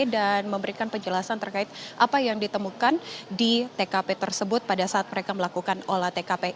dan memberikan penjelasan terkait apa yang ditemukan di tkp tersebut pada saat mereka melakukan olah tkp